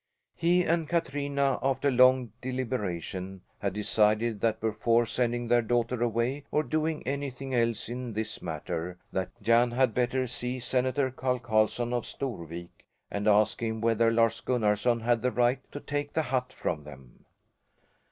He and Katrina, after long deliberation, had decided that before sending their daughter away or doing anything else in this matter that Jan had better see Senator Carl Carlson of Storvik and ask him whether Lars Gunnarson had the right to take the hut from them.